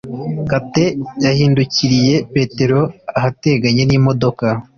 Kate yahindukiriye Petero ahateganye n'imodoka,